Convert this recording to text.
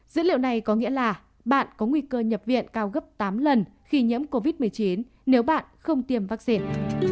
dữ liệu này có nghĩa là bạn có nguy cơ nhập viện cao gấp tám lần khi nhiễm covid một mươi chín nếu bạn không tiêm vaccine